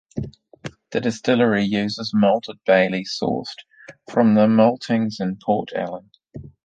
The distillery uses malted barley sourced from the maltings in Port Ellen.